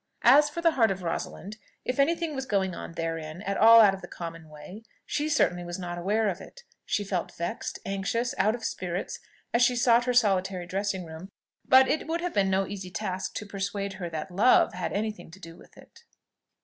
As for the heart of Rosalind, if any thing was going on therein at all out of the common way, she certainly was not aware of it. She felt vexed, anxious, out of spirits, as she sought her solitary dressing room: but it would have been no easy task to persuade her that LOVE had any thing to do with it.